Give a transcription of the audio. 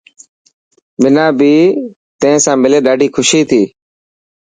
منان بي تين ساملي ڏاڍي خوشي ٿي.